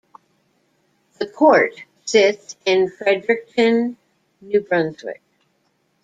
The court sits in Fredericton, New Brunswick.